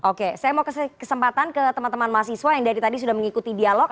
oke saya mau kasih kesempatan ke teman teman mahasiswa yang dari tadi sudah mengikuti dialog